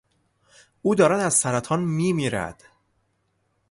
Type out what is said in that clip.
او دارد از سرطان میمیرد.